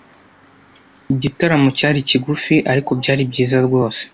Igitaramo cyari kigufi, ariko byari byiza rwose.